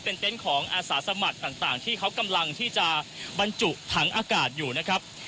เต็นต์ของอาสาสมัครต่างที่เขากำลังที่จะบรรจุถังอากาศอยู่นะครับ